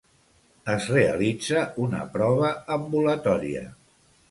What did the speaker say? Es realitza una prova ambulatòria.